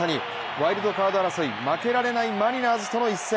ワイルドカード争い負けられないマリナーズとの一戦。